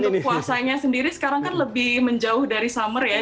untuk puasanya sendiri sekarang kan lebih menjauh dari summer ya